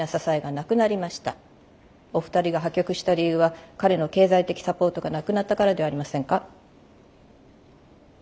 お二人が破局した理由は彼の経済的サポートがなくなったからではありませんか？